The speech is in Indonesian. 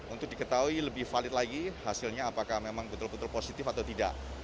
untuk diketahui lebih valid lagi hasilnya apakah memang betul betul positif atau tidak